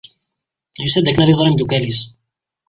Yusa-d akken ad iẓer imdukal-is.